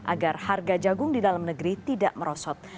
agar harga jagung di dalam negeri tidak merosot